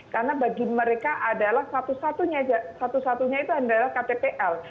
karena bagi mereka adalah satu satunya itu adalah ktpl